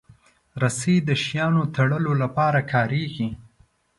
رسۍ د شیانو تړلو لپاره کارېږي.